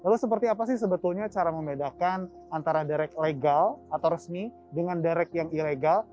lalu seperti apa sih sebetulnya cara membedakan antara derek legal atau resmi dengan derek yang ilegal